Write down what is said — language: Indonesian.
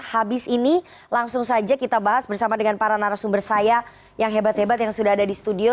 habis ini langsung saja kita bahas bersama dengan para narasumber saya yang hebat hebat yang sudah ada di studio